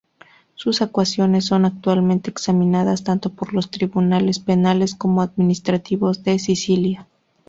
Sus acusaciones son actualmente examinadas tanto por los tribunales penales como administrativos de Sicilia.